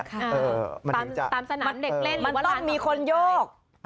ตามสนามเด็กเล่นมันต้องมีคนโยก